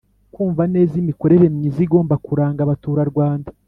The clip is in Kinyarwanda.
Kumva neza imikorere myiza igomba kuranga abaturarwanda